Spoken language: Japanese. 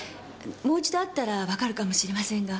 もう一度会ったらわかるかもしれませんが。